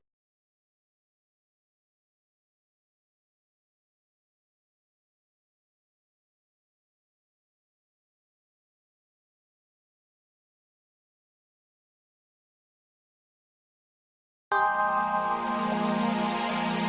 enam situation lalu sampai ramai jam ke karma asals